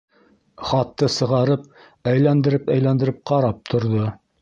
Хатты сығарып әйләндереп-әйләндереп ҡарап торҙо.